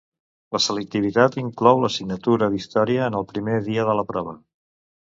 La selectivitat inclou l'assignatura d'Història en el primer dia de la prova